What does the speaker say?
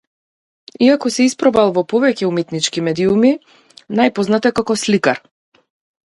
Иако се испробал во повеќе уметнички медиуми, најпознат е како сликар.